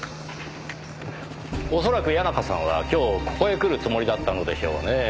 恐らく谷中さんは今日ここへ来るつもりだったのでしょうねぇ。